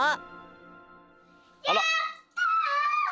「やった！」。